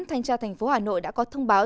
thanh tra thành phố hà nội đã có thông báo